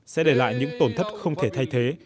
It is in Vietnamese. sẽ để lại những tổn thất không thể thay thế